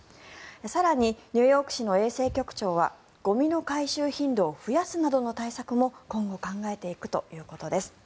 更にニューヨーク市の衛生局長はゴミの回収頻度を増やすなどの対策も今後考えていくということです。